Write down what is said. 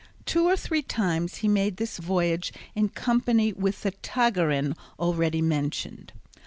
Two or three times he made this voyage in company with the Tagarin already mentioned.